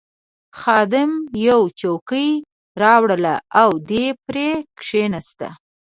خادم یوه چوکۍ راوړل او دی پرې کښېناست.